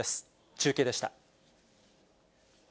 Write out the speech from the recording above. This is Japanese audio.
中継でした。